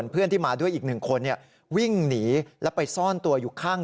เพื่อนที่มาด้วยอีกหนึ่งคนวิ่งหนีแล้วไปซ่อนตัวอยู่ข้าง